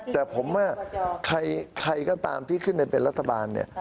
แต่ผมว่าใครก็ตามที่ขึ้นไปเป็นรัฐบาลเนี่ย